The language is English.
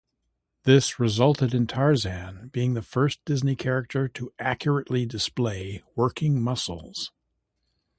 This resulted in Tarzan being the first Disney character to accurately display working muscles.